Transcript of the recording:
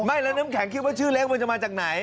ไม่แล้วน้ำแข็งคิดว่าชื่อเล็กมันจะมาจากไหน